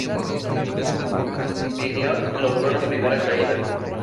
Benoit logró la primera caída.